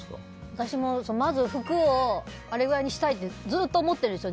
私も、まず服をあれくらいにしたいってずっと思ってるんですよ